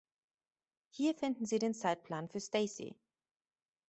Hier finden Sie den Zeitplan für Stacey.